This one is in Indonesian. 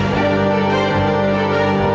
ndra kamu udah nangis